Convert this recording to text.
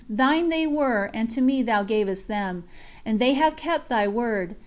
Thine they were, and to me Thou gavest them; and they have kept Thy word.